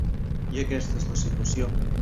I aquesta és la situació.